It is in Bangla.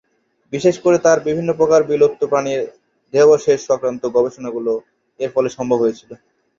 বিশেষ করে তার বিভিন্ন প্রকার বিলুপ্ত প্রাণীর দেহাবশেষ সংক্রান্ত গবেষণাগুলো এর ফলে সম্ভব হয়েছিল।